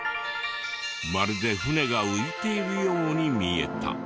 まるで船が浮いているように見えた。